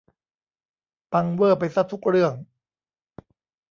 ปังเว่อร์ไปซะทุกเรื่อง